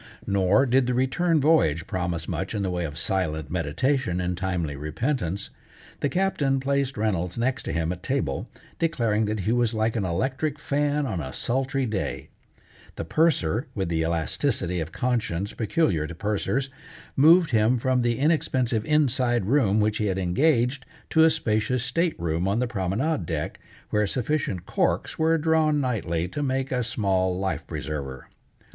Nor did the return voyage promise much in the way of silent meditation and timely repentance. The Captain placed Reynolds next to him at table, declaring that he was like an electric fan on a sultry day; the Purser, with the elasticity of conscience peculiar to pursers, moved him from the inexpensive inside room which he had engaged, to a spacious state room on the promenade deck, where sufficient corks were drawn nightly to make a small life preserver.